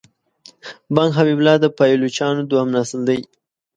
بنګ حبیب الله د پایلوچانو دوهم نسل دی.